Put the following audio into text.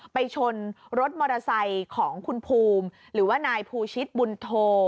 ไปชนรถมอเตอร์ไซค์ของคุณภูมิหรือว่านายภูชิตบุญโท